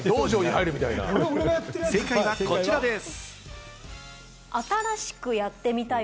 正解はこちらです。